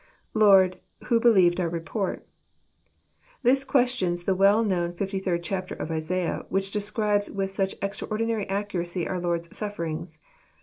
iLord, uho.,.helieved our report.'] This question begins the well known fifty third chapter of Isaiah, which describes with such extraordinary accuracy our Lord's sufiierings.